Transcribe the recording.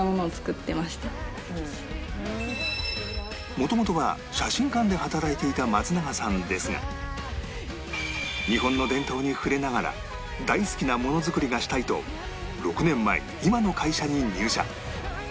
もともとは写真館で働いていた松永さんですが日本の伝統に触れながら大好きな物作りがしたいと６年前に今の会社に入社